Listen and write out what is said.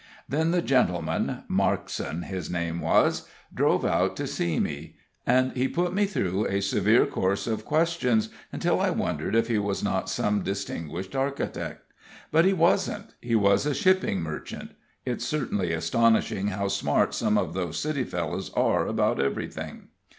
Then the gentleman Markson his name was drove out to see me, and he put me through a severe course of questions, until I wondered if he was not some distinguished architect. But he wasn't he was a shipping merchant. It's certainly astonishing how smart some of those city fellows are about everything.